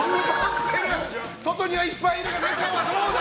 外にはいっぱいいるが中はどうだ。